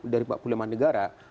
dari empat puluh lima negara